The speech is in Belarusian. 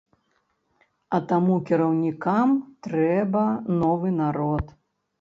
А таму кіраўнікам трэба новы народ.